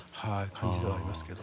感じではありますけど。